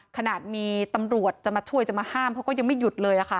ขนาดมีตำรวจจะมาช่วยจะมาห้ามเขาก็ยังไม่หยุดเลยค่ะ